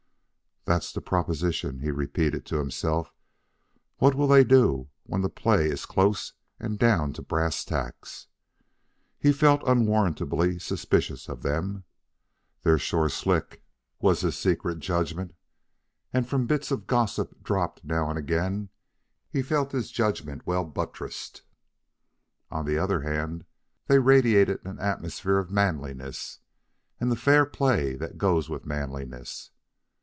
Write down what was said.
"That's the proposition," he repeated to himself; "what will they all do when the play is close and down to brass tacks?" He felt unwarrantably suspicious of them. "They're sure slick," was his secret judgment; and from bits of gossip dropped now and again he felt his judgment well buttressed. On the other hand, they radiated an atmosphere of manliness and the fair play that goes with manliness.